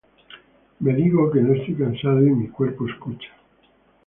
Me digo que no estoy cansado y mi cuerpo escucha.